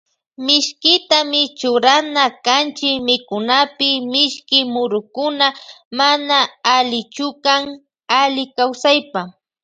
Mishkitami churana kanchi mikunapi mishki murukuna mana allichukan alli kawsaypa.